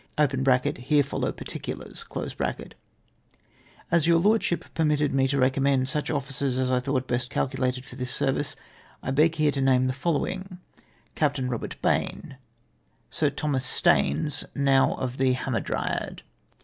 [Here follow particulars.] "As your Lordship permitted me to recommend such officers as I thought best calculated for this service, I beg leave to name the following :—" Captain Kobert Baine. "Sir Thomas Staines, now of the Hamadryad.